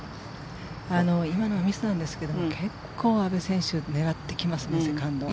今のはミスなんですけど結構、阿部選手狙ってきますね、セカンド。